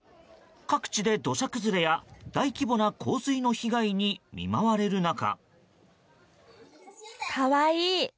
各地で、土砂崩れや大規模な洪水の被害に見舞われる中。